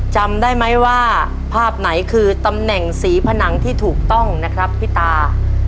จำได้ไหมว่าภาพไหนคือตำแหน่งสีผนังที่ถูกต้องนะครับพี่ตา